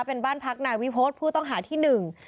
เป็นบ้านพักนายวิพฤษผู้ต้องหาที่หนึ่ง